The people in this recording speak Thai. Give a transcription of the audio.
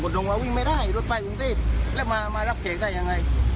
คุณส่งว่าวิ่งไม่ได้รถไปกรุงทรีย์แล้วมามารับเขตได้ยังไง